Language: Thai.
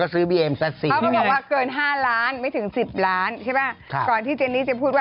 ไม่คือพี่น้องเขามีคนละบัญชี